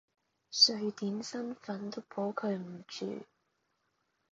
瑞典身份都保佢唔住！